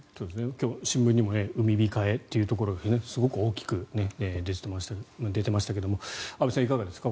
今日、新聞にも産み控えというところがすごく大きく出てましたけども安部さん、いかがですか。